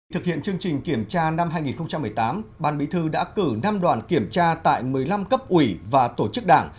thực hiện chương trình kiểm tra năm hai nghìn một mươi tám ban bí thư đã cử năm đoàn kiểm tra tại một mươi năm cấp ủy và tổ chức đảng